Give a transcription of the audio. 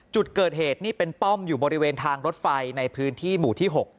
จุดเกิดเหตุนี่เป็นป้อมอยู่บริเวณทางรถไฟในพื้นที่หมู่ที่๖